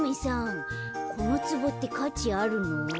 このつぼってかちあるの？